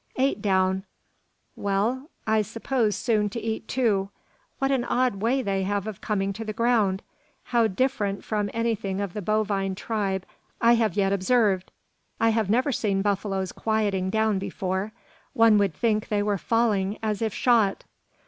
eight down! Well! I hope soon to eat, too. What an odd way they have of coming to the ground! How different from anything of the bovine tribe I have yet observed! I have never seen buffaloes quieting down before. One would think they were falling as if shot!